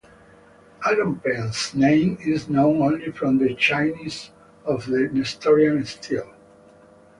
Alopen's name is known only from the Chinese of the Nestorian Stele.